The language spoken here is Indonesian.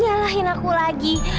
nyalahin aku lagi